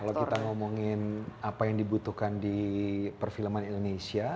kalau kita ngomongin apa yang dibutuhkan di perfilman indonesia